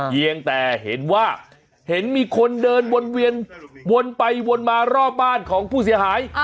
เพียงแต่เห็นว่าเห็นมีคนเดินวนเวียนวนไปวนมารอบบ้านของผู้เสียหาย